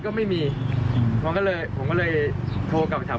คุณธิชานุลภูริทัพธนกุลอายุ๓๔